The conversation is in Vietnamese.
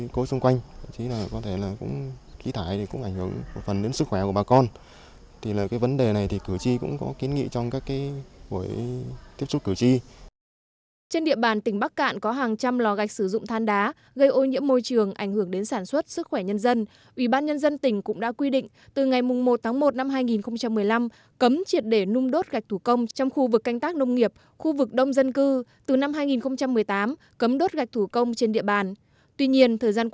và cũng được xác minh thẩm định cấp phép dự án tuy nhiên vẫn gây ô nhiễm môi trường ảnh hưởng đến sức khỏe người dân sống ở khu vực lò gạch bị ảnh hưởng